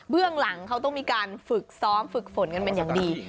หลังเขาต้องมีการฝึกซ้อมฝึกฝนกันเป็นอย่างดี